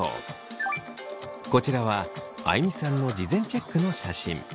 こちらはあいみさんの事前チェックの写真。